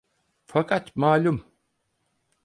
Fakat malum…